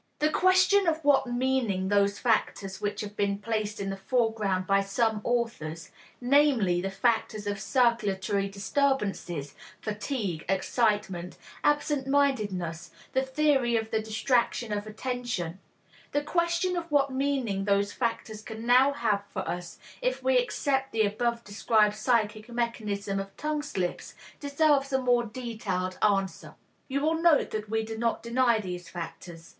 The question of what meaning those factors which have been placed in the foreground by some authors, namely, the factors of circulatory disturbances, fatigue, excitement, absent mindedness, the theory of the distraction of attention the question of what meaning those factors can now have for us if we accept the above described psychic mechanism of tongue slips, deserves a more detailed answer. You will note that we do not deny these factors.